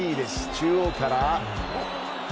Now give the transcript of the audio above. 中央から。